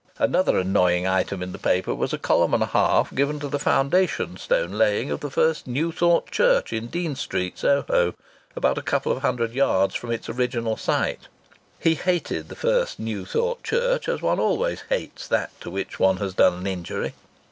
Another annoying item in the paper was a column and a half given to the foundation stone laying of the First New Thought Church, in Dean Street, Soho about a couple of hundred yards from its original site. He hated the First New Thought Church as one always hates that to which one has done an injury.